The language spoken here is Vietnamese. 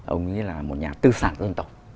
ông ấy là một nhà tư sản dân tộc